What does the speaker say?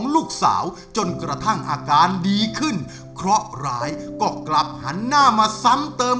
ลูกสาวจนกระทั่งอาการดีขึ้นเคราะห์ร้ายก็กลับหันหน้ามาซ้ำเติม